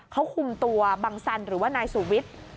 เขาคุมตัวบังสันหรือว่านายสุวิทย์